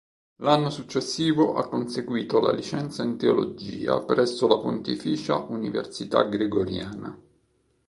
L'anno successivo ha conseguito la licenza in teologia presso la Pontificia Università Gregoriana.